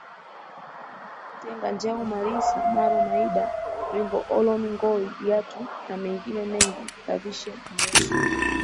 Tenga Njau Malisa Maro Maeda RingoOlomi Ngowi Lyatuu na mengine mengiKavishe Mrosso